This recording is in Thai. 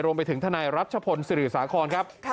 ลงไปถึงทนายรับชะพลศิริสภาครนะครับ